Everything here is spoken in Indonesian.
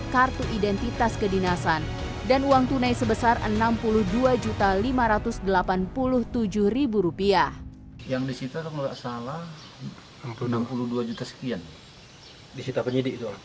kartu identitas kedinasan dan uang tunai sebesar enam puluh dua juta lima ratus delapan puluh tujuh ribu rupiah yang disita